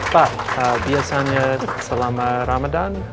pak biasanya selama ramadan